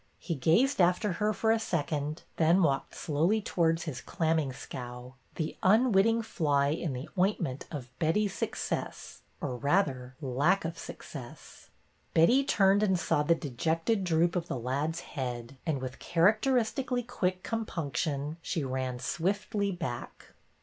He gazed after her for a second, then walked slowly towards his clamming scow, the unwitting fly in the ointment of Betty's success, or rather, lack of success. Betty turned and saw the dejected droop of the lad's head and, with characteristically quick compunction, she ran swiftly back.